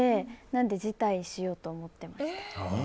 なので辞退しようと思っていました。